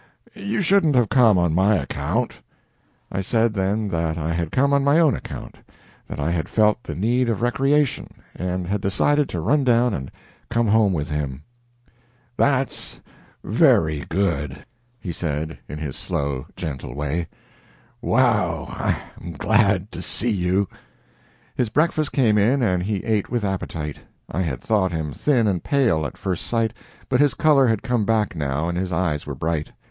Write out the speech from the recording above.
You shouldn't have come on my account." I said then that I had come on my own account, that I had felt the need of recreation, and had decided to run down and come home with him. "That's very good," he said, in his slow, gentle fashion. "Wow I'm glad to see you." His breakfast came in and he ate with appetite. I had thought him thin and pale, at first sight, but his color had come back now, and his eyes were bright.